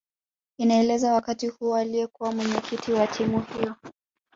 Inaelezwa wakati huo aliyekuwa Mwenyekiti wa timu hiyo